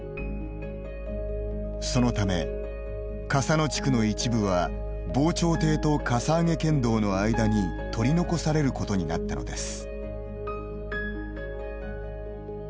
そのため、笠野地区の一部は防潮堤とかさ上げ県道の間に取り残されることになったのです。